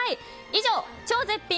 以上、超絶品！